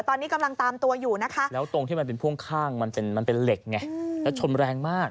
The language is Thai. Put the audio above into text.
ตอนนี้กำลังตามตัวอยู่นะคะแล้วตรงที่มันเป็นพ่วงข้างมันเป็นมันเป็นเหล็กไงแล้วชนแรงมาก